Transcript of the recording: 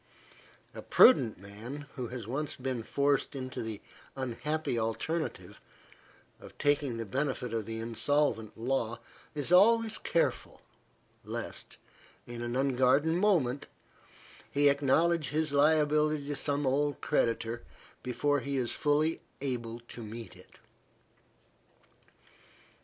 A prudent man, who has once been forced into the unhappy alternative of taking the benefit of the insolvent law, is always careful, lest, in an unguarded moment, he acknowledge his liability to some old creditor, before he is fully able to meet it.